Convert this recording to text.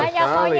banyak soalnya ya